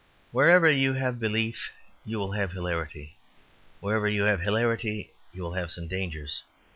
Wherever you have belief you will have hilarity, wherever you have hilarity you will have some dangers.